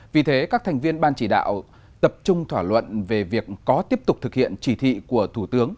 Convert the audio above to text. vì thế các thành viên ban chỉ đạo tập trung thỏa luận về việc có tiếp tục thực hiện chỉ thị của thủ tướng